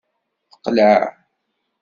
Teqleɛ.